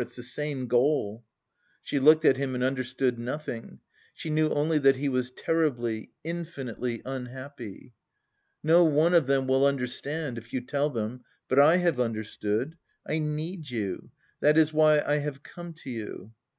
It's the same goal!" She looked at him and understood nothing. She knew only that he was terribly, infinitely unhappy. "No one of them will understand, if you tell them, but I have understood. I need you, that is why I have come to you."